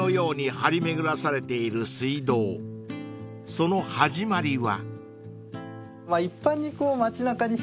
［その始まりは］